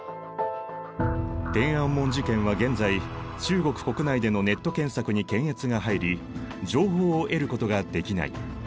天安門事件は現在中国国内でのネット検索に検閲が入り情報を得ることができない。